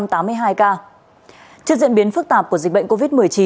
trước diễn biến phức tạp của dịch bệnh covid một mươi chín